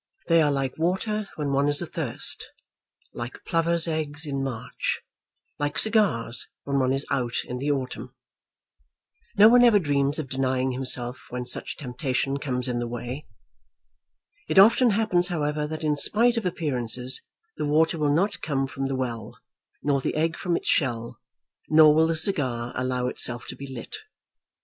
They are like water when one is athirst, like plovers' eggs in March, like cigars when one is out in the autumn. No one ever dreams of denying himself when such temptation comes in the way. It often happens, however, that in spite of appearances, the water will not come from the well, nor the egg from its shell, nor will the cigar allow itself to be lit.